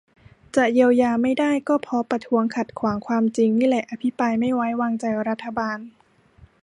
จะเยียวยาไม่ได้ก็เพราะประท้วงขัดขวางความจริงนี่แหละ อภิปรายไม่ใว้วางใจรัฐบาล